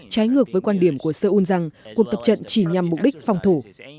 trái ngược với quan điểm của seoul rằng cuộc tập trận chỉ nhằm mục đích phòng thủ